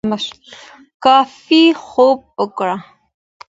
کافي خوب وکړه